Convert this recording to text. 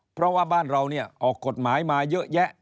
เพราะว่าบ้านเราเนี่ยออกกฎหมายมาเยอะแยะ